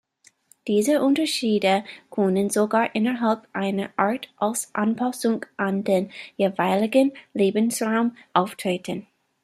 Diese Unterschiede können sogar innerhalb einer Art als Anpassung an den jeweiligen Lebensraum auftreten.